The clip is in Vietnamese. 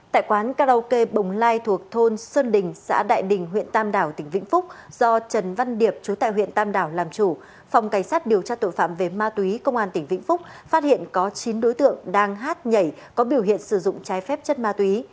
tại quán karaoke bồng lai thuộc thôn xuân đình xã đại đình huyện tam đảo tỉnh vĩnh phúc do trần văn điệp chú tại huyện tam đảo làm chủ phòng cảnh sát điều tra tội phạm về ma túy công an tỉnh vĩnh phúc phát hiện có chín đối tượng đang hát nhảy có biểu hiện sử dụng trái phép chất ma túy